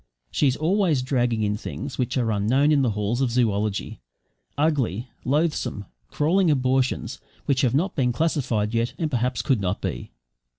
She is always dragging in things which are unknown in the halls of zoology; ugly, loathsome, crawling abortions which have not been classified yet and perhaps could not be.